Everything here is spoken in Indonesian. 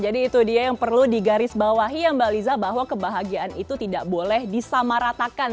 jadi itu dia yang perlu digarisbawahi ya mbak liza bahwa kebahagiaan itu tidak boleh disamaratakan